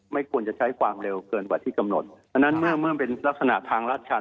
ไม่ควรจะใช้ความเร็วเกินกว่าที่กำหนดอันนั้นเมื่อเมื่อเป็นลักษณะทางลาดชัน